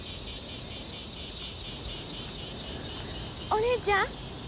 お姉ちゃん。